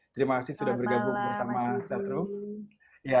terima kasih sudah bergabung bersama chatroom